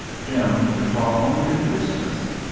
Jim could talk only of Christmas.